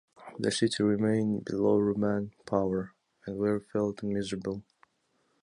The city remain below Roman power and very failed and miserable.